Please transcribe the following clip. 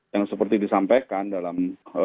yang seperti disampaikan dalam